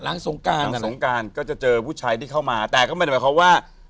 สงการหลังสงการก็จะเจอผู้ชายที่เข้ามาแต่ก็ไม่ได้หมายความว่า